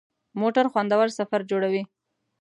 موټر خوندور سفر جوړوي.